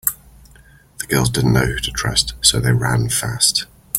The girls didn’t know who to trust so they ran fast.